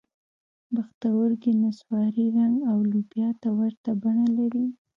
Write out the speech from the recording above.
پښتورګي نسواري رنګ او لوبیا ته ورته بڼه لري.